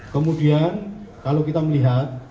kemudian kalau kita melihat